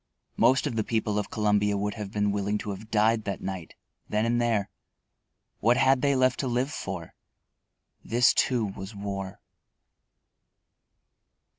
Most of the people of Columbia would have been willing to have died that night, then and there. What had they left to live for? _This, too, was war.